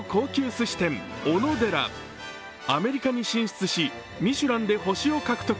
アメリカに進出し、ミシュランで星を獲得。